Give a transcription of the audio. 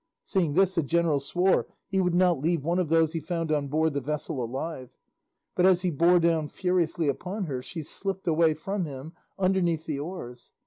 Seeing this the general swore he would not leave one of those he found on board the vessel alive, but as he bore down furiously upon her she slipped away from him underneath the oars.